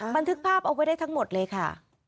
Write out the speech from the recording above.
บันทึกภาพเอาไว้ได้ทั้งหมดเลยค่ะ